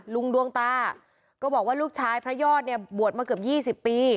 ดวงตาก็บอกว่าลูกชายพระยอดเนี่ยบวชมาเกือบ๒๐ปี